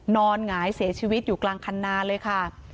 หงายเสียชีวิตอยู่กลางคันนาเลยค่ะ